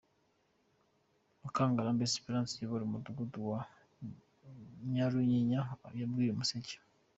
Mukangarambe Esperance uyobora Umudugudu wa Nyarunyinya yabwiye Umuseke.